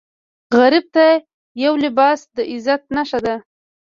غریب ته یو لباس د عزت نښه ده